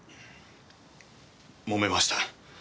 揉めました。